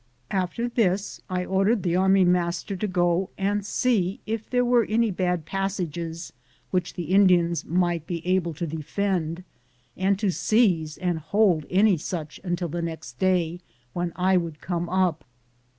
After thia I ordered the army master to go and see if there were any bad passages which the Indians might be able to defend, and to seize and hold any such until the next day, when I would come up.